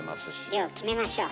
量決めましょう。